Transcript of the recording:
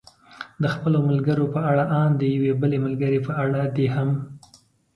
د خپلو ملګرو په اړه، ان د یوې بلې ملګرې په اړه دې هم.